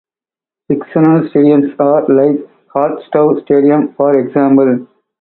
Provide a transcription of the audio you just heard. Fictional Stadiums are like Hot Stove Stadium for example.